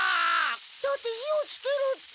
だって火をつけろって。